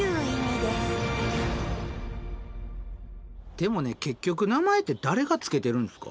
でもね結局名前って誰が付けてるんですか？